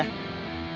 kalau gak terbukti